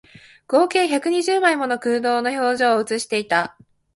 合計百二十枚もの空洞の表情を写していた